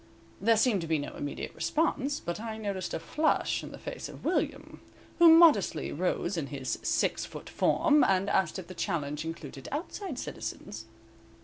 There seemed to be no immediate response, but I noticed a flush in the face of William, who modestly rose in his six foot form and asked if the challenge included outside citizens?